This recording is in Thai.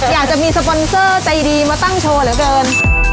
อยากจะมีสปอนเซอร์ใจดีมาตั้งโชว์เหลือเกิน